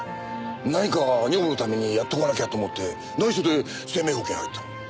何か女房のためにやっとかなきゃと思って内緒で生命保険入ったの。